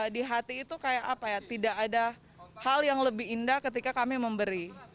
di hati itu kayak apa ya tidak ada hal yang lebih indah ketika kami memberi